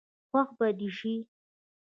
خوښ به دي شي.